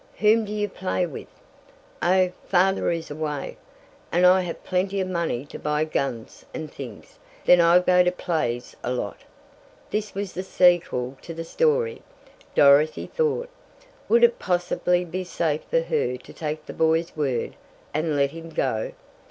"Whom do you play with?" "Oh, father is away, and I have plenty of money to buy guns and things. Then I go to plays a lot." This was the sequel to the story, Dorothy thought. Would it possibly be safe for her to take the boy's word, and let him go?